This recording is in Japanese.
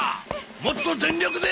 もっと全力で！！